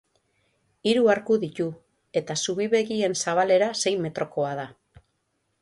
Hiru arku ditu, eta zubi begien zabalera sei metrokoa da.